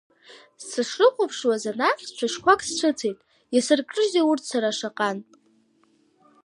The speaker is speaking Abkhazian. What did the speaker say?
Сышрыхәаԥшуаз анахь цәашьқәак сцәыцәеит, иасыркрызеи урҭ сара шаҟантә!